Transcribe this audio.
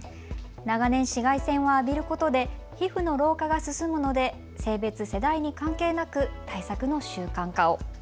長年、紫外線を浴びることで皮膚の老化が進むので性別、世代に関係なく対策の習慣化を。